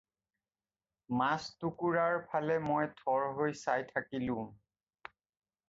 মাছটুকুৰাৰ ফালে মই থৰ হৈ চাই থাকিলোঁ।